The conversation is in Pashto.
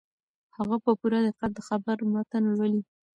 هغه په پوره دقت د خبر متن لولي.